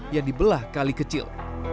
yang dibelah kali kecil